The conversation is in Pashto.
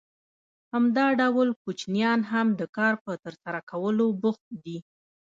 همدا ډول کوچنیان هم د کار په ترسره کولو بوخت دي